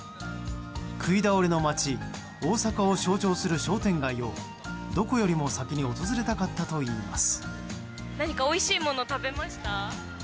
食い倒れの街・大阪を象徴する商店街をどこよりも先に訪れたかったといいます。